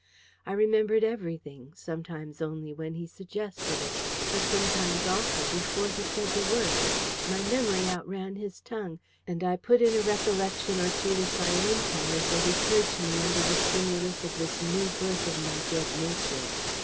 I remembered everything, sometimes only when he suggested it; but sometimes also, before he said the words, my memory outran his tongue, and I put in a recollection or two with my own tongue as they recurred to me under the stimulus of this new birth of my dead nature.